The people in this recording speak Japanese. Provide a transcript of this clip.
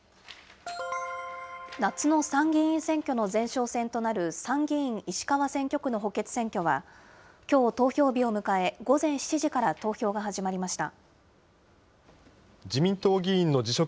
夏の参議院選挙の前哨戦となる参議院石川選挙区の補欠選挙は、きょう投票日を迎え、午前７時から投票が始まりました。